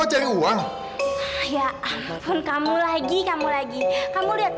kamu jalan tuh liat kedepan lias lurus kedepan